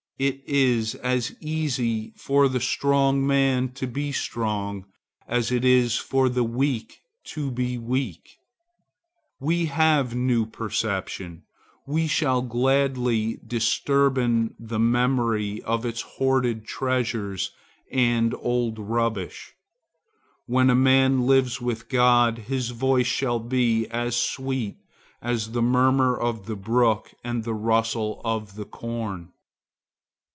It is as easy for the strong man to be strong, as it is for the weak to be weak. When we have new perception, we shall gladly disburden the memory of its hoarded treasures as old rubbish. When a man lives with God, his voice shall be as sweet as the murmur of the brook and the rustle of the corn.